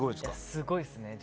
すごいですね。